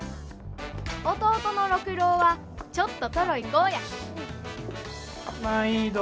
弟の六郎はちょっとトロい子やまいど。